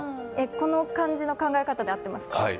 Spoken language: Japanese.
この感じの考え方で合ってますか？